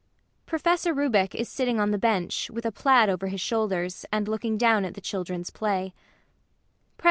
[PROFESSOR RUBEK is sitting on the bench, with a plaid over his shoulders, and looking down at the children's play.